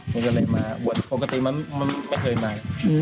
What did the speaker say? มันก็เลยมาบวชปกติมันไม่เคยมา